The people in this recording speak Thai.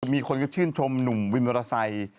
มีคนก็ชื่นชมหนุ่มวินมอเตอร์ไซค์